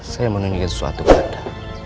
saya mau nungguin sesuatu ke anda